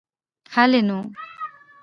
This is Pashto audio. هلئ نو.